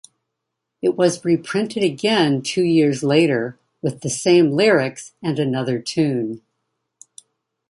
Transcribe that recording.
It was reprinted again two years later with the same lyrics and another tune.